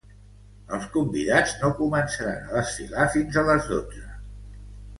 Els convidats no començaren a desfilar fins a les dotze.